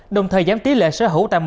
đồng thời giám tí lệ sở hữu